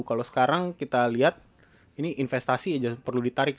kalo sekarang kita liat ini investasi aja perlu ditarik